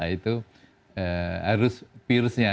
itu harus pirsnya